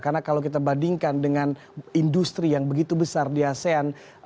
karena kalau kita bandingkan dengan industri yang begitu besar di asean